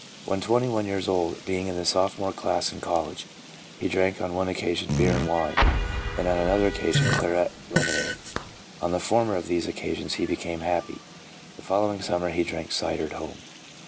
When twenty one years old, being in the sophomore class in college, he drank on one occasion beer and wine, and on another occasion claret lemonade. On the former of these occasions he became " happy." The following summer he drank cider at home.